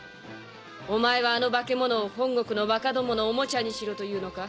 お前はあの化け物を本国のバカどものオモチャにしろというのか？